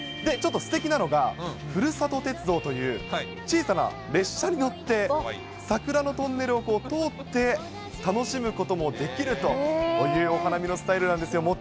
ちょっとすてきなのが、ふるさと鉄道という、小さな列車に乗って、桜のトンネルを通って、楽しむこともできるというお花見のスタイルなんですよ。